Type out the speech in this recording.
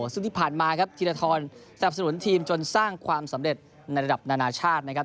ซึ่งที่ผ่านมาครับธีรทรสนับสนุนทีมจนสร้างความสำเร็จในระดับนานาชาตินะครับ